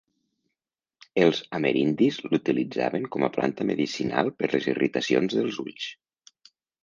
Els amerindis l'utilitzaven com planta medicinal per les irritacions dels ulls.